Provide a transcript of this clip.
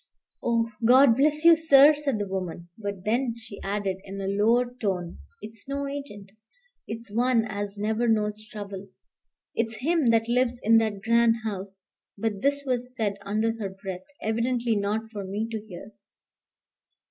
"Oh, God bless you, sir," said the woman. But then she added, in a lower tone, "It's no agent. It's one as never knows trouble. It's him that lives in that grand house." But this was said under her breath, evidently not for me to hear.